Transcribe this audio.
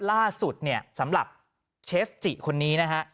ล่าสุดเนี่ยสำหรับเชฟจิคนนี้นะฮะ